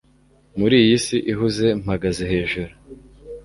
muri iyi si ihuze, mpagaze hejuru